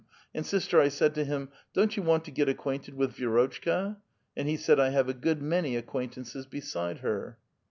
And, sister, I said to him, ' Don't you want to get acquainted with Vi^rotchka?' and he said, * I have a good man}' acquaintances beside her.'